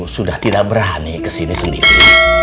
sudah tidak berani kesini sendiri